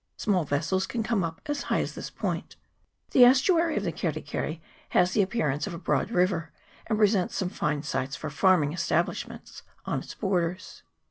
Small vessels can come up as high as this point. The estuary of the Keri keri has the appearance of a broad river, and presents some fine sites for farming establishments on its borders.